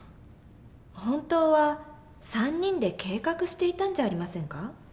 本当は３人で計画していたんじゃありませんか？